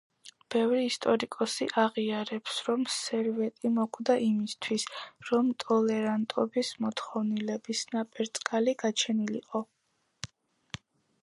ბევრი ისტორიკოსი აღიარებს, რომ სერვეტი მოკვდა იმისთვის, რომ ტოლერანტობის მოთხოვნილების ნაპერწკალი გაჩენილიყო.